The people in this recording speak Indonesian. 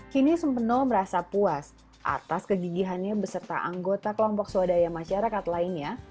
kini sempeno merasa puas atas kegigihannya beserta anggota kelompok swadaya masyarakat lainnya